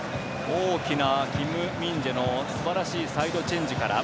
大きなキム・ミンジェのすばらしいサイドチェンジから。